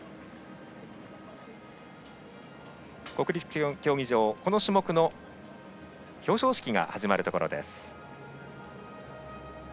国立競技場、この種目の表彰式が始まるところです。